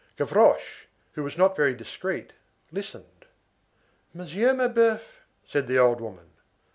Gavroche, who was not very discreet, listened. "Monsieur Mabeuf!" said the old woman.